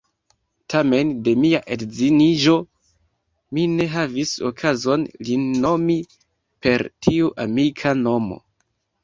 Tamen, de mia edziniĝo, mi ne havis okazon lin nomi per tiu amika nomo.